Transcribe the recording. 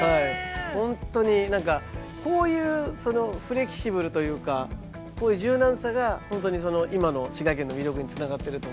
本当に何かこういうフレキシブルというかこういう柔軟さが本当に今の滋賀県の魅力につながってると思うので。